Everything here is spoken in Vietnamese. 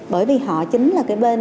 bởi vì họ chính là cái bên